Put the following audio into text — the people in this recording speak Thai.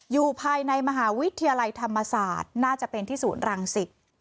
อยู่ภายในมหาวิทยาลัยธรรมศาสตร์น่าจะเป็นที่ศูนย์รังสิต